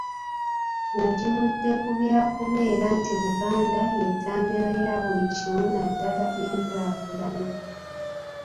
Kino kivudde ku kyakubeera nti Buganda y’entabiro ya buli kimu naddala enkukulaakulana.